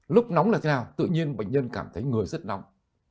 lúc nóng là thế nào tự nhiên bệnh nhân cảm thấy người rất nóng